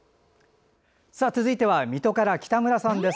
続いては水戸から、北村さんです。